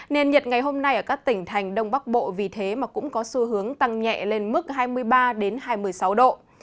nền nhiệt ngày hôm nay ở các tỉnh thành đông bắc bộ vì thế mà cũng có xu hướng tăng nhẹ lên mức hai mươi ba hai mươi sáu độ